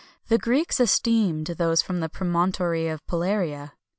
[XXI 215] The Greeks esteemed those from the promontory of Polarea.